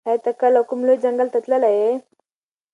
ایا ته کله کوم لوی ځنګل ته تللی یې؟